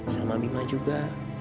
sama bima juga